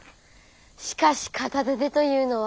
しかし片手でというのは。